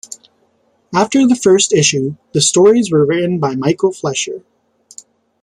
After the first issue, the stories were written by Michael Fleisher.